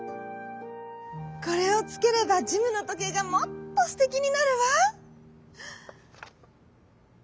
「これをつければジムのとけいがもっとすてきになるわ」。